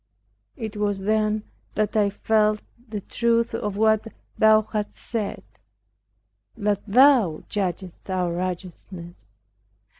It was then that I felt the truth of what Thou hast said, that Thou judgest our righteousness.